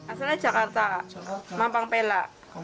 asalnya jakarta mampang pela